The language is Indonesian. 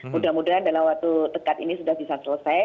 mudah mudahan dalam waktu dekat ini sudah bisa selesai